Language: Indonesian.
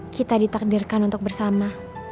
kita ditakdirkan untuk bersama